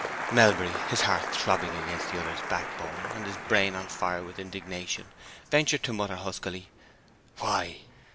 Melbury, his heart throbbing against the other's backbone, and his brain on fire with indignation, ventured to mutter huskily, "Why?"